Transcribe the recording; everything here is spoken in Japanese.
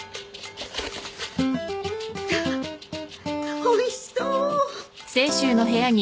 わっおいしそう。